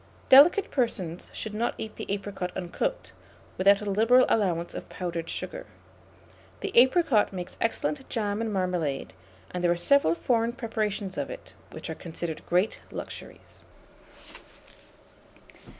Delicate persons should not eat the apricot uncooked, without a liberal allowance of powdered sugar. The apricot makes excellent jam and marmalade, and there are several foreign preparations of it which are considered great luxuries.